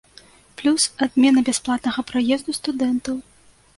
Плюс адмена бясплатнага праезду студэнтаў.